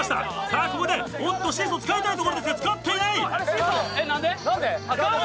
さあここでおっとシーソーを使いたいところですが使っていない。